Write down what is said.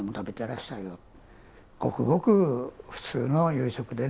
ごくごく普通の夕食でね